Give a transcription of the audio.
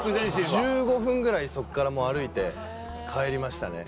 １５分ぐらいそこから歩いて帰りましたね。